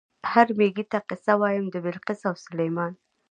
"هر مېږي ته قصه وایم د بلقیس او سلیمان".